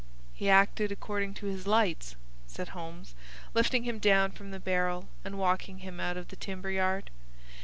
"He acted according to his lights," said Holmes, lifting him down from the barrel and walking him out of the timber yard.